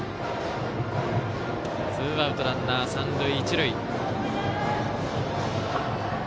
ツーアウト、ランナー、三塁一塁。